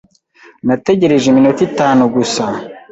Nategereje iminota itanu gusa.